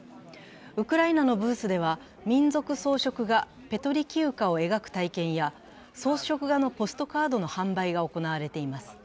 ウクライナのブースでは、民族装飾画ペトリキウカを描く体験や装飾画のポストカードの販売が行われています。